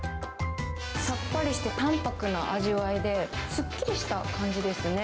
さっぱりして、淡泊な味わいで、すっきりした感じですね。